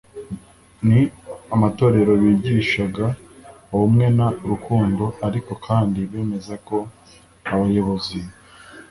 n amatorero bigishaga ubumwe n urukundo ariko kandi bemeza ko abayobozi